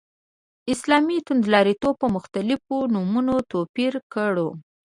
اسلامي توندلاریتوب په مختلفو نومونو توپير کړو.